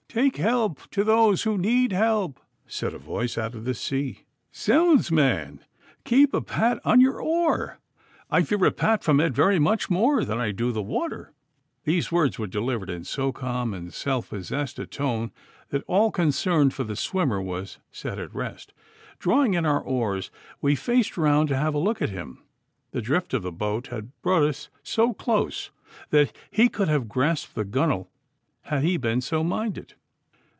'Take help to those who need help' said a voice out of the sea. 'Zounds, man, keep a guard on your oar! I fear a pat from it very much more than I do the water.' These words were delivered in so calm and self possessed a tone that all concern for the swimmer was set at rest. Drawing in our oars we faced round to have a look at him. The drift of the boat had brought us so close that he could have grasped the gunwale had he been so minded.